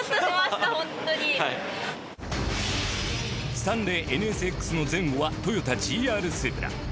スタンレーＮＳＸの前後はトヨタＧＲスープラ。